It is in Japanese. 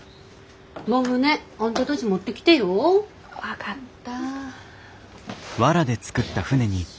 盆船あんたたち持ってきてよ。分かった。